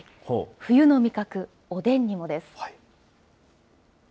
冬の味覚、おでんにもです。